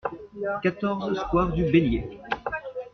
quatorze square du Bélier